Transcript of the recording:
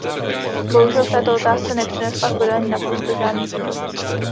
Bohužel v této otázce nepřinesla Kodaň naprosto žádný pokrok.